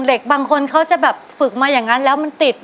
เร็กบางคนเขาจะฝึกมาอย่างงั้นแล้วมันติด